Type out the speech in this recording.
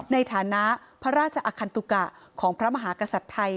ในฐานะพระราชอคันตุกะของพระมหากษัตริย์ไทย